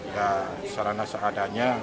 ya sarana seadanya